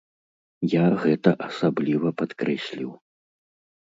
Я гэта асабліва падкрэсліў.